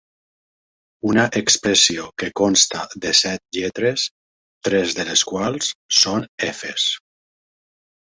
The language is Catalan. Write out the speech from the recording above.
Una expressió que consta de set lletres, tres de les quals són efes”.